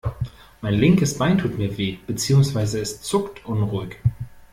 Mein linkes Bein tut mir weh, beziehungsweise es zuckt unruhig.